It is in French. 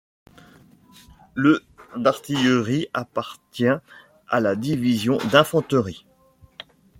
Le d'artillerie appartient à la Division d'Infanterie.